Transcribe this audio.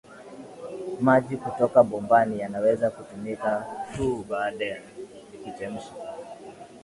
Maji kutoka bombani yanaweza kutumika tu baada ya kuchemsha